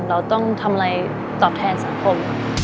เราต้องทำอะไรตอบแทนสังคม